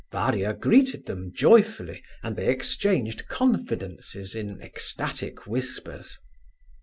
Varia greeted them joyfully, and they exchanged confidences in ecstatic whispers.